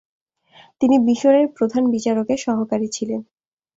তিনি মিশরের প্রধান বিচারকের সহকারী ছিলেন।